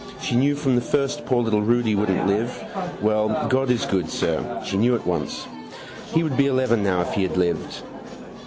She knew from the first poor little Rudy wouldn't live. Well, God is good, sir. She knew at once. He would be eleven now if he had lived.